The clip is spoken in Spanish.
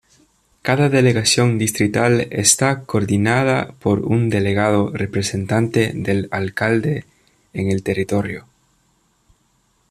Cada delegación distrital está coordinada por un delegado representante del alcalde en el territorio.